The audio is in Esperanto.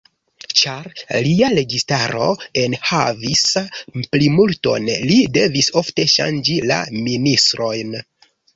Ĉar lia registaro en havis plimulton, li devis ofte ŝanĝi la ministrojn.